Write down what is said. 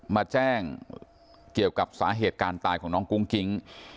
มาแจ้งเกี่ยวกับสาเหตุการณ์ตายของน้องกุ้งกิ๊ง